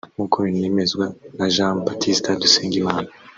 nk’uko binemezwa na Jean Baptiste Dusengimana